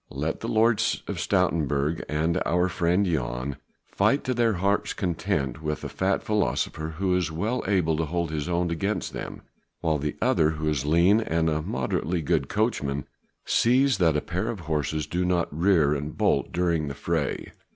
Let the Lord of Stoutenburg and our friend Jan fight to their heart's content with a fat philosopher who is well able to hold his own against them, while the other who is lean and a moderately good coachman sees that a pair of horses do not rear and bolt during the fray."